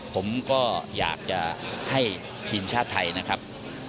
ผมก็อยากจะให้ทีมชาติไทยนะครับ